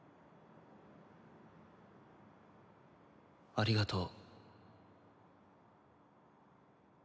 ありがとう。